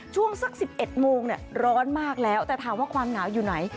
ช่วงสัก๑๑โมงร้อนมากแล้วแต่ถามว่าความหนาวอยู่ไหน